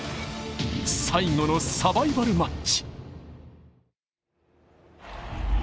最後のサバイバルマッチ。